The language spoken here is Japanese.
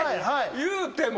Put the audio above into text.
いうても。